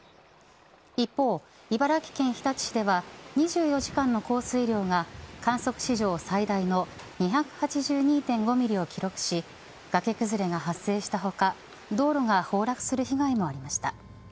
一方、茨城県日立市では２４時間の降水量が観測史上最大の２８２．５ミリを記録し崖崩れが発生した他道路が崩落する被害もありました。